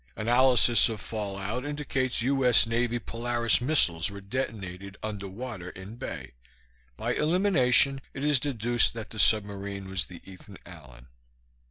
Analysis of fallout indicates U.S. Navy Polaris missiles were detonated underwater in bay; by elimination it is deduced that the submarine was the Ethan Allen.